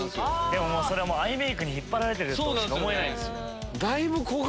でもアイメイクに引っ張られてるとしか思えない。